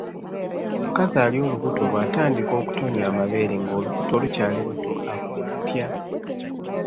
Omukazi ali olubuto bw’atandika okutonnya amabeere nga olubuto lukyali luto akola atya?